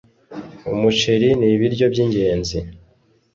Umuceri nibiryo byingenzi